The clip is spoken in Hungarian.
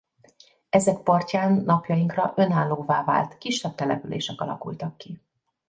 Ezek partján napjainkra önállóvá vált kisebb települések alakultak ki.